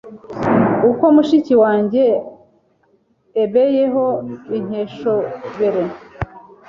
uko mushiki wenjye ebeyeho bikenshobere